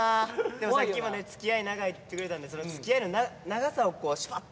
でもさっきもね付き合い長いって言ってくれたんでその付き合いの長さをこうシュパッとやってほしいですね。